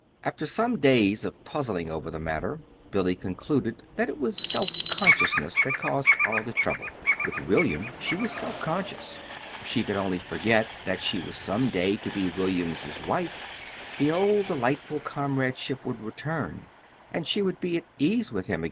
After some days of puzzling over the matter Billy concluded that it was self consciousness that caused all the trouble. With William she was self conscious. If she could only forget that she was some day to be William's wife, the old delightful comradeship would return, and she would be at ease again with him.